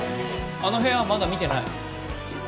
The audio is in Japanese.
あの部屋はまだ見てない。